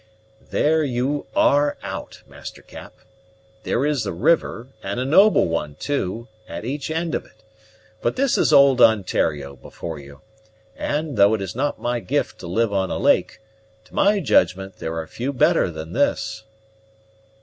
"There you are out, Master Cap. There is a river, and a noble one too, at each end of it; but this is old Ontario before you; and, though it is not my gift to live on a lake, to my judgment there are few better than this."